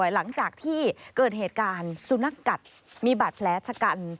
หลังจากที่เกิดเหตุการณ์สุนัขกัดมีบาดแผลชะกัน